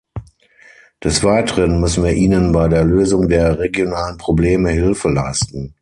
Des Weiteren müssen wir ihnen bei der Lösung der regionalen Probleme Hilfe leisten.